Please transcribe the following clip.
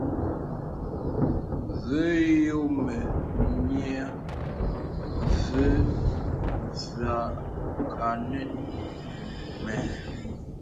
Və yɔmə yìā və và kāŋə.